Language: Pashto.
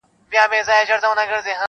دا چي وایې ټوله زه یم څه جبره جبره ږغېږې,